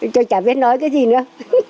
cho chả biết nói cái gì nữa